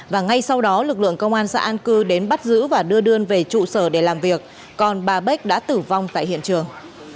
và ngay sau đó lực lượng công an xã an cư đến bắt giữ và đưa đơn về trụ sở để làm việc còn bà bách đã tử vong tại hiện trường